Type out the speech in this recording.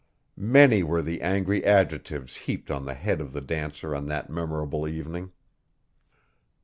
Many were the angry adjectives heaped on the head of the dancer on that memorable evening.